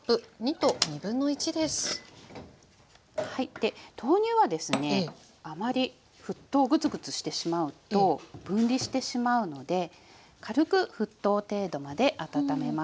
で豆乳はですねあまり沸騰をグツグツしてしまうと分離してしまうので軽く沸騰程度まで温めます。